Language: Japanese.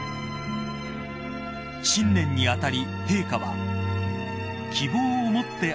［新年に当たり陛下は］